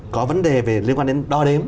có vấn đề liên quan đến đo đếm